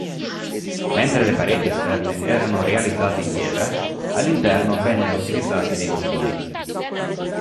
Mentre le pareti esterne erano realizzate in pietra, all'interno vennero utilizzati dei mattoni.